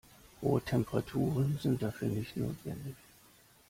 Hohe Temperaturen sind dafür nicht notwendig.